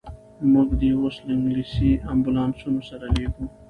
موږ دي اوس له انګلیسي امبولانسونو سره لېږو.